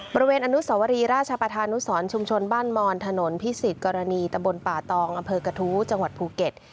บริเวณอนุสวรีราชประธานุสรชุมชนบ้านมอนถนนพิสิทธิกรณีตะบนป่าตองอำเภอกระทู้จังหวัดภูเก็ต